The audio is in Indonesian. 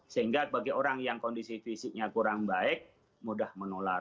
sehingga bagi orang yang kondisi fisiknya kurang baik mudah menular